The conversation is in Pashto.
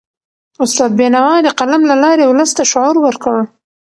استاد بینوا د قلم له لاري ولس ته شعور ورکړ.